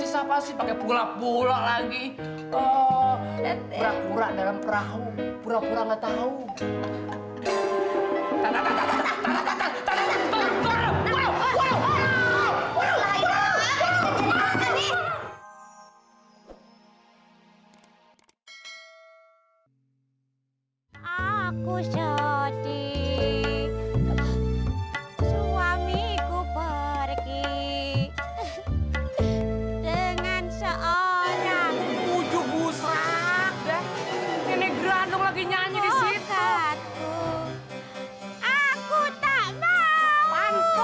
sampai jumpa di video selanjutnya